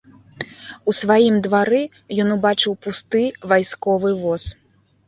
У сваім двары ён убачыў пусты вайсковы воз.